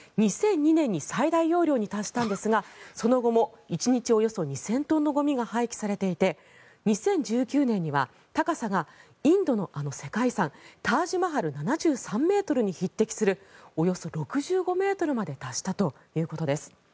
２００２年に最大容量に達したんですがその後も１日およそ２０００トンのゴミが廃棄されていて２０１９年には高さがインドの世界遺産タージ・マハル７３ｍに匹敵するおよそ６５ｍまで達したということです。